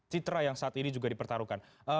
citra yang saat ini juga dipertaruhkan